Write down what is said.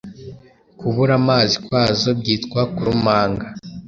Kubura amazi kwazo byitwa Kurumanga